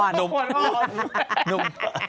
หนุ่มหนุ่ม